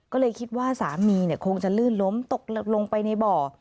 ก็เลยคิดว่าสามีคงจะลื่นล้มตกลงไปในบ่อ